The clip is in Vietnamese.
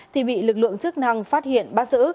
thì bị lực lượng chức năng phát hiện bắt giữ